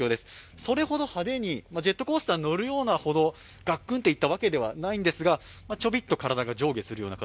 それほど派手に、ジェットコースターに乗るほどガクッといったわけではないんですが、ちょびっと体が上下するような形。